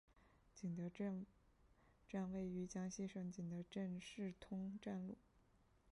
景德镇站位于江西省景德镇市通站路。